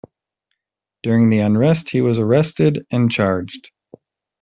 During the unrest he was arrested and charged.